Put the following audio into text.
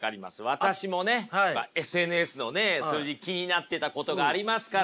私もねＳＮＳのね数字気になってたことがありますからね。